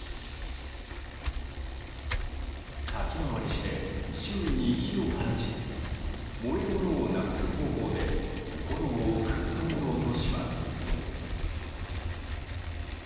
先回りして、周囲に火を放ち燃えるものをなくす方法で炎を食い止めようとします。